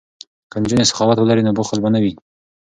که نجونې سخاوت ولري نو بخل به نه وي.